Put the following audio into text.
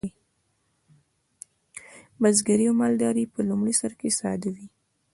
بزګري او مالداري په لومړي سر کې ساده وې.